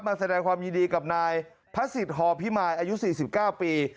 แสดงความยินดีกับนายพระศิษย์ฮอพิมายอายุ๔๙ปี